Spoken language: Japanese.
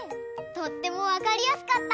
とってもわかりやすかった！